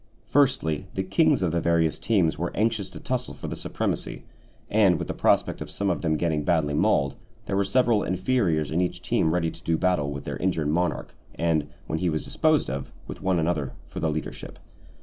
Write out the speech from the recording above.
Firstly, the kings of the various teams were anxious to tussle for the supremacy; and with the prospect of some of them getting badly mauled, there were several inferiors in each team ready to do battle with their injured monarch, and, when he was disposed of, with one another, for the leadership.